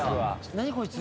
何こいつ？